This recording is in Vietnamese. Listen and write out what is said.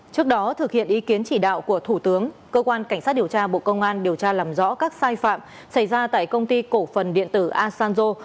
trước đó thực hiện ý kiến chỉ đạo của thủ tướng cơ quan cảnh sát điều tra bộ công an điều tra làm rõ các sai phạm xảy ra tại công ty cổ phần điện tử asanzo